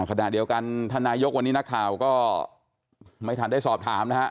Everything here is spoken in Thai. ขณะเดียวกันท่านนายกวันนี้นักข่าวก็ไม่ทันได้สอบถามนะฮะ